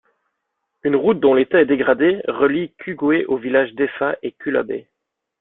Une route, dont l'état est dégradé, relie Kugwe aux villages d'Efah et Kulabei.